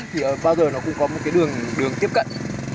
thì bao giờ nó cũng có một cái đường đường tiếp cận